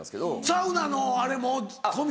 サウナのあれも込みで？